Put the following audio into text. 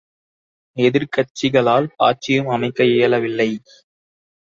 எதிர்க்கட்சிகளால் ஆட்சியும் அமைக்க இயலவில்லை!